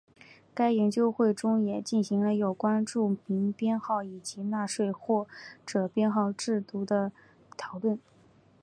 该研究会中也进行了有关住民编号以及纳税者编号制度的讨论。